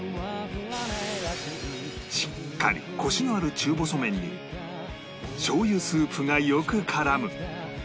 しっかりコシのある中細麺にしょう油スープがよく絡む